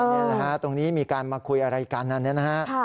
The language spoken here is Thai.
นี่แหละฮะตรงนี้มีการมาคุยอะไรกันอันนี้นะฮะ